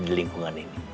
di lingkungan ini